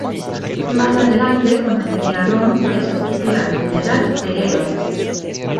Más adelante conocería a Rom y asistiría al funeral de Eón.